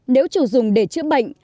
nếu chủ dùng để chữa bệnh